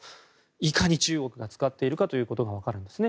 いかに中国が使っているかということがわかるんですね。